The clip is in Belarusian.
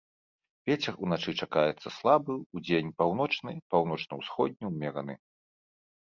Вецер уначы чакаецца слабы, удзень паўночны, паўночна-ўсходні ўмераны.